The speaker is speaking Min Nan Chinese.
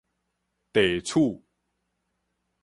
袋鼠